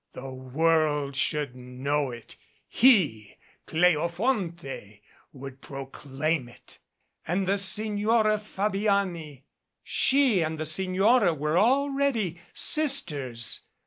The world should know it. He, Cleofonte, would proclaim it. And the Signora Fabiani she and the Signora were already sisters.